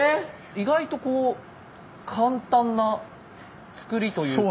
意外と簡単なつくりというか。